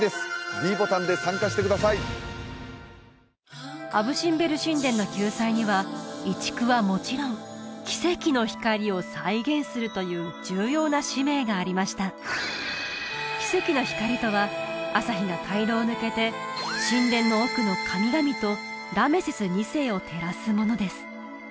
ｄボタンで参加してくださいアブ・シンベル神殿の救済には移築はもちろん奇跡の光を再現するという重要な使命がありました奇跡の光とは朝日が回廊を抜けて神殿の奥の神々とラメセス２世を照らすものです